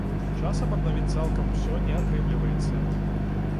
Часам аднавіць цалкам усё не атрымліваецца.